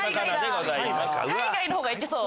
海外の方がいけそう。